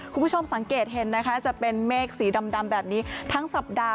คุณผู้ชมสังเกตเห็นนะคะจะเป็นเมฆสีดำแบบนี้ทั้งสัปดาห